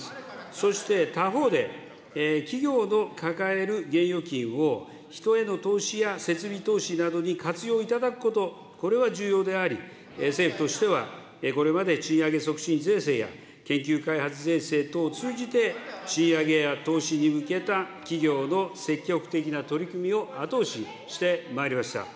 そして他方で、企業の抱える現預金を人への投資や設備投資などに活用いただくこと、これは重要であり、政府としては、これまで賃上げ促進税制や、研究開発税制等を通じて、賃上げや投資に向けた企業の積極的な取り組みを後押ししてまいりました。